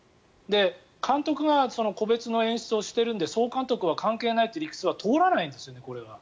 監督が個別の演出をしているので総監督は関係ないって理屈は通らないんですね、これは。